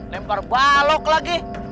lempar balok lagi